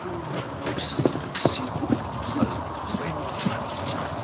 Иԥсыз дыԥсит, инхаз дынхеит.